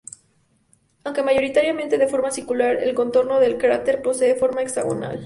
Aunque mayoritariamente de forma circular, el contorno del cráter posee forma hexagonal.